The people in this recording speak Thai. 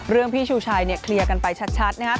เรื่องพี่ชูชัยเคลียร์กันไปชัดนะครับ